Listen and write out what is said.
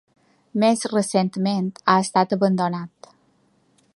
Més recentment ha estat abandonat.